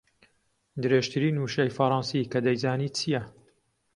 درێژترین وشەی فەڕەنسی کە دەیزانیت چییە؟